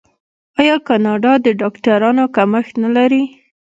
آیا کاناډا د ډاکټرانو کمښت نلري؟